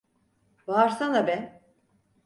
Bağırsana be!